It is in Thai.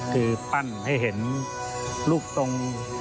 คือปั้นให้เห็นรูปทรง